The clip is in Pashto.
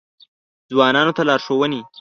ځوانانو ته لارښوونې: